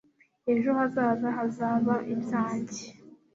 ejo hazaza hazaba ibyanjye